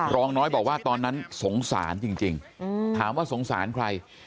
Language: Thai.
รองน้อยบอกว่าตอนนั้นสงสารจริงถามว่าสงสารใคร